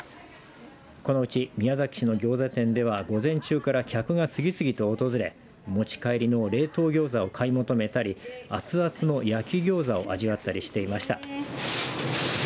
このうち宮崎市のぎょうざ店では午前中から客が次々と訪れ持ち帰りの冷凍ぎょうざを買い求めたり熱々の焼きぎょうざを味わったりしていました。